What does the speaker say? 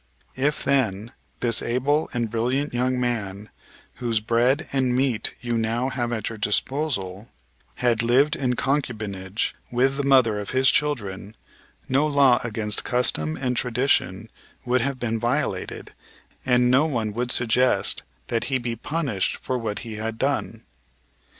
If, then, this able and brilliant young man, whose bread and meat you now have at your disposal, had lived in concubinage with the mother of his children, no law against custom and tradition would have been violated, and no one would suggest that he be punished for what he had done.